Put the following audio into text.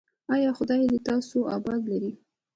ایا خدای دې تاسو اباد لري؟